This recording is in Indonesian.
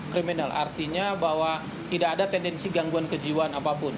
kriminal artinya bahwa tidak ada tendensi gangguan kejiwaan apapun